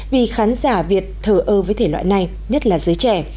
vì khán giả việt thờ ơ với thể loại này nhất là giới trẻ